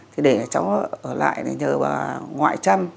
thì để cháu ở lại để nhờ bà ngoại chăm